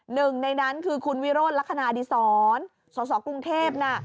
หนึ่งในนั้นคือคุณวิโรธลักษณะอดีศรสสกรุงเทพน่ะ